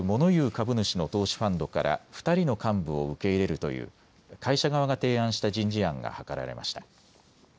株主の投資ファンドから２人の幹部を受け入れるという会社側が提案した人事案が諮られました。